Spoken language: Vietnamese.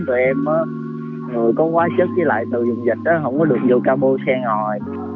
tụi em người có quá chất với lại từ dùng dịch không có được vô cao bô xe ngồi